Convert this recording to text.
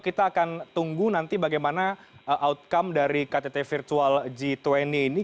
kita akan tunggu nanti bagaimana outcome dari ktt virtual g dua puluh ini